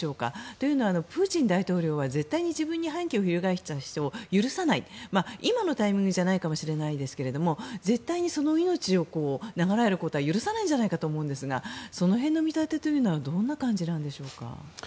というのは、プーチン大統領は絶対に自分に反旗を翻した人を許さない今のタイミングではないかもしれないですが絶対にその命を長らえることは許さないと思うんですがその辺の見立てというのはどんな感じなんでしょうか。